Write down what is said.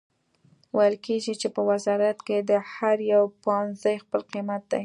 ویل کیږي چې په وزارت کې د هر پوهنځي خپل قیمت دی